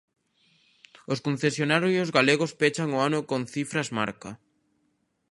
Os concesionarios galegos pechan o ano con cifras marca.